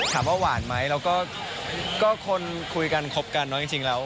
ถามว่าหวานไหมเราก็คนคุยกันคบกันเนอะจริงแล้ว